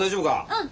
うん。